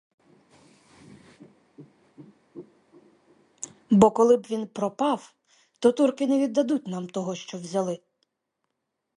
Бо коли б він пропав, то турки не віддадуть нам того, що взяли.